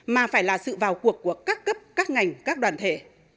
mà phải là sự vào cuộc của các cấp các ngành các đoàn thể